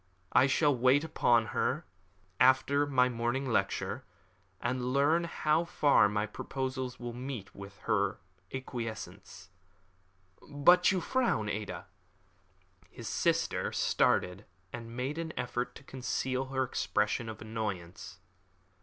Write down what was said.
I shall wait upon her after my morning lecture, and learn how far my proposals meet with her acquiescence. But you frown, Ada!" His sister started, and made an effort to conceal her expression of annoyance.